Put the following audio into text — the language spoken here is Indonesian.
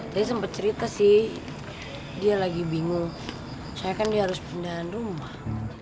tadi sempet cerita sih dia lagi bingung misalnya kan dia harus pindahan rumah